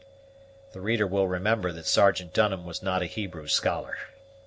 The reader will remember that Sergeant Dunham was not a Hebrew scholar.